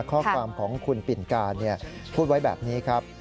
ข้อความของคุณปิ่นการพูดไว้แบบนี้ครับ